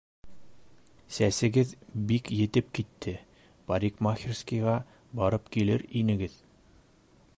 -Сәсегеҙ бик етеп китте, парикмахерскийға барып килер инегеҙ.